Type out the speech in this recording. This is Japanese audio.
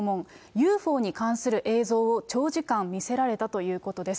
ＵＦＯに関する映像を長時間見せられたということです。